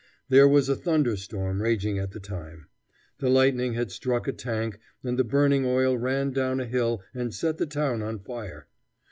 There was a thunder storm raging at the time. The lightning had struck a tank, and the burning oil ran down a hill and set the town on fire.